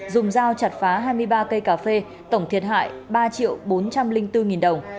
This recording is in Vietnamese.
dùng dao chặt phá hai mươi ba cây cà phê tổng thiệt hại ba bốn trăm linh bốn đồng